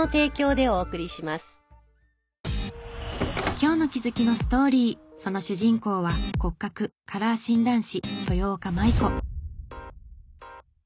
今日の気づきのストーリーその主人公は骨格・カラー診断士豊岡舞子。